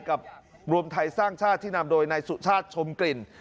รวมไทยสร้างชาติที่นำโดยนายสุชาติชมกลิ่น